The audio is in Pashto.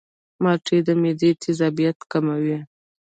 مالټې د معدې تیزابیت کموي.